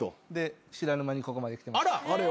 知らぬ間にここまで来てました。